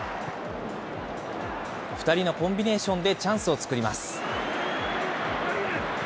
２人のコンビネーションでチャンスを作ります。